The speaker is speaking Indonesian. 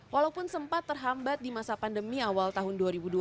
walaupun sempat terhambat di masa pandemi awal tahun dua ribu dua puluh